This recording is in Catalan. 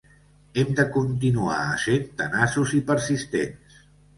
Hem de continuar essent tenaços i persistents.